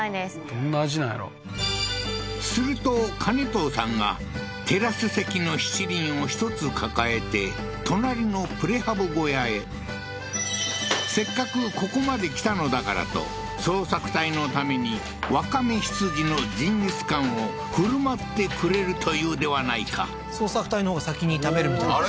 どんな味なんやろすると金藤さんがテラス席の七輪を１つ抱えて隣のプレハブ小屋へせっかくここまで来たのだからと捜索隊のためにわかめ羊のジンギスカンを振る舞ってくれるというではないか捜索隊のほうが先に食べるみたいですよ